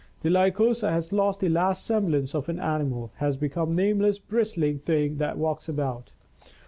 The Lycosa has lost the last semblance of an animal, has become a nameless bristling thing that walks about.